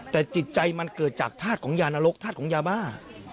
แต่จิตใจมันเกิดจากธาตุของยานรกธาตุของยาบ้า